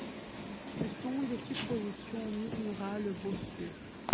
Ce sont des suppositions, murmura le bossu.